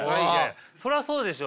それはそうでしょ。